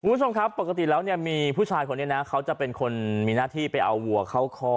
คุณผู้ชมครับปกติแล้วเนี่ยมีผู้ชายคนนี้นะเขาจะเป็นคนมีหน้าที่ไปเอาวัวเข้าคอ